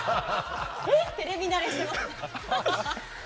テレビ慣れしてますね。